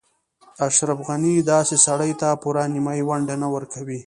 اشرف غني داسې سړي ته پوره نیمايي ونډه نه ورکوي.